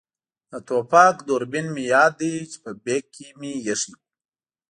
د ټوپک دوربین مې یاد دی چې په بېک کې مې اېښی وو.